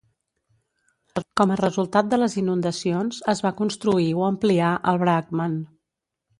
Com a resultat de les inundacions, es va construir o ampliar el Braakman.